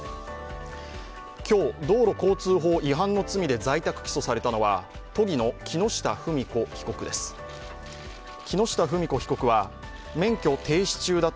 今日、道路交通法違反の罪で在宅起訴されたのは都議の木下富美子被告です。